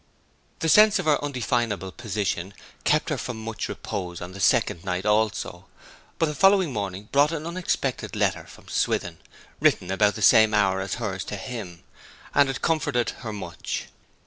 The sense of her undefinable position kept her from much repose on the second night also; but the following morning brought an unexpected letter from Swithin, written about the same hour as hers to him, and it comforted her much.